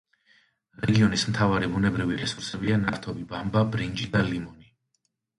რეგიონის მთავარი ბუნებრივი რესურსებია: ნავთობი, ბამბა, ბრინჯი და ლიმონი.